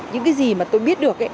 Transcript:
những cái gì mà tôi biết được